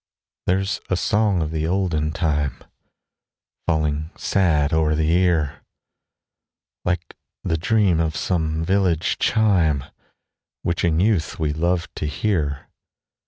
There's a song of the olden time, Falling sad o'er the ear, Like the dream of some village chime, Which in youth we loved to hear.